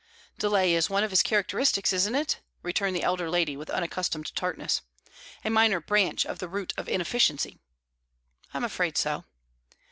"Delay is one of his characteristics, isn't it?" returned the elder lady, with unaccustomed tartness. "A minor branch of the root of inefficiency." "I am afraid so."